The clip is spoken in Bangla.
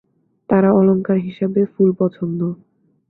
তারা অলঙ্কার হিসাবে ফুল পছন্দ।